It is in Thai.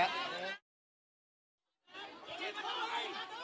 เรา